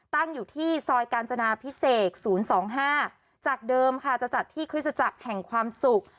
ตั้งอยู่ที่ซอยกาญจนาพิเศษ๐๒๕จากเดิมค่ะจะจัดที่คริสตจักรแห่งความสุข